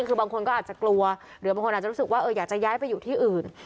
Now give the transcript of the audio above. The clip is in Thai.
คือบางคนก็อาจจะกลัวหรือบางคนอาจจะรู้สึกว่าอยากจะย้ายไปอยู่ที่อื่น